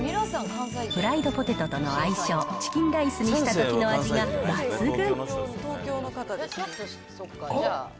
フライドポテトとの相性、チキンライスにしたときの味が抜群。